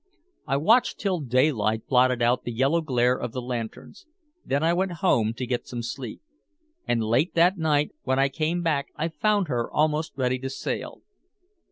I watched till daylight blotted out the yellow glare of the lanterns. Then I went home to get some sleep. And late that night when I came back I found her almost ready to sail.